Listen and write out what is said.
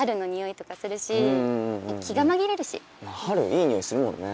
春いい匂いするもんね。